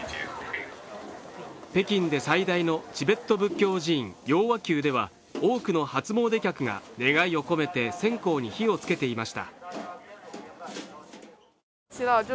北京で最大のチベット仏教寺院、雍和宮では、多くの初詣客が願いを込めて線香に火をつけていました。